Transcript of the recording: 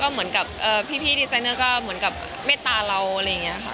ก็เหมือนกับพี่พี่ดีไซเเนอร์เหมือนกับเมตตาเราแบบงี้ค่ะ